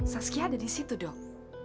saskia ada disitu dong